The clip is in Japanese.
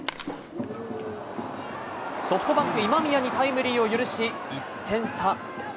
ソフトバンク、今宮にタイムリーを許し、１点差。